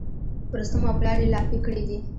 په رستم او پلار یې لاپې کړي دي.